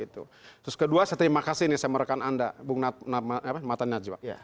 terus kedua saya terima kasih nih saya merekam anda bung mata najwa